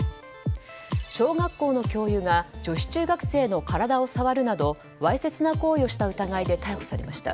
小学校の教諭が女子中学生の体を触るなどわいせつな行為をした疑いで逮捕されました。